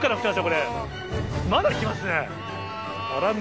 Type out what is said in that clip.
まだ来ますね。